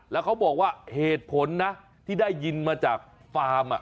แล้วเขาบอกว่าเหตุผลนะที่ได้ยินมาจากฟาร์ม